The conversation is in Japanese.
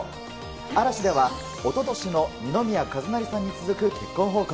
嵐では、おととしの二宮和也さんに続く結婚報告。